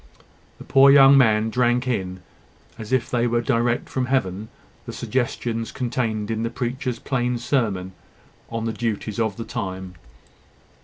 The poor young man drank in, as if they were direct from Heaven, the suggestions contained in the preacher's plain sermon on the duties of the time.